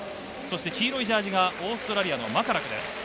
黄色いジャージーがオーストラリアです。